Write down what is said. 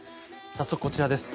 早速こちらです。